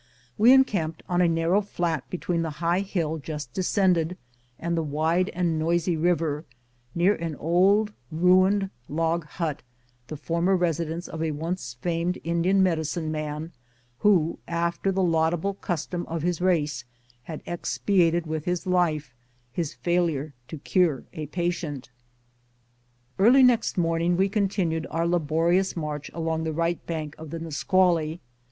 We encamped on a narrow flat between the high hill just descended and the wide and noisy river, near an old ruined log hut, the former residence of a once famed Indian medicine man, who, after the laudable custom of his race, had expiated with his life his failure to cure a patient. Early next morning we continued our laborious march along the right bank of the Nisqually.